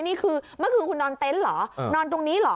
นี่คือเมื่อคืนนอนเต้นหรอนอนตรงนี้หรอ